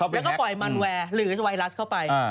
แล้วก็ปล่อยมันแวร์หรือไวรัสเข้าไป